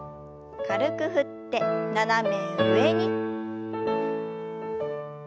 軽く振って斜め上に。